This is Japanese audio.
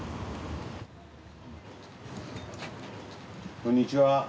こんにちは。